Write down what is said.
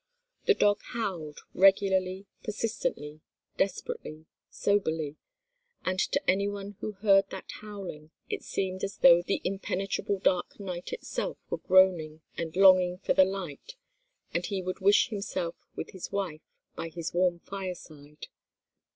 The dog howled—regularly, persistently, desperately, soberly—and to any one who heard that howling it seemed as though the impenetrable dark night itself were groaning and longing for the light, and he would wish himself with his wife by his warm fireside.